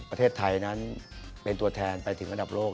ประเทศไทยนั้นเป็นตัวแทนไปถึงระดับโลก